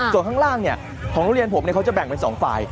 ส่วนข้างล่างของโรงเรียนผมเขาจะแบ่งเป็น๒ฝ่าย